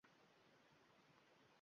Dadasidan kelgan ekan qora xat.